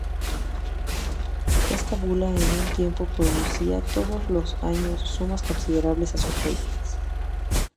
Esta bula en un tiempo producía todos los años sumas considerables a sus reyes.